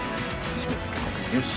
締め付けよし。